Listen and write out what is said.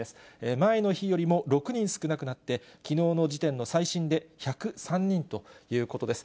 前の日よりも６人少なくなって、きのうの時点の最新で１０３人ということです。